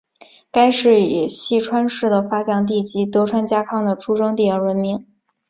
该市以细川氏的发祥地及德川家康的出生地而闻名。